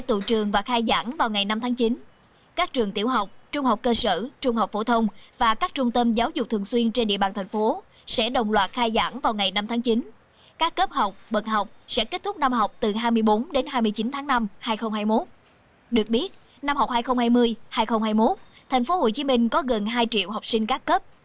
trong năm học hai nghìn hai mươi hai nghìn hai mươi một thành phố hồ chí minh có gần hai triệu học sinh các cấp